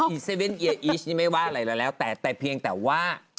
อีซีเซวนเอียอีชนี่ไม่ว่าอะไรแล้วแต่เพียงแต่ว่า